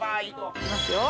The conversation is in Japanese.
行きますよ。